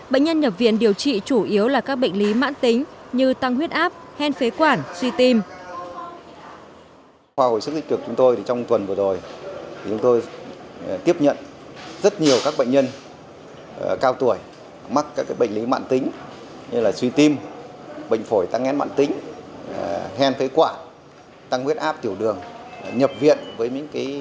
bệnh nhân nhập viện điều trị chủ yếu là các bệnh lý mạng tính như tăng huyết áp hen phế quản suy tim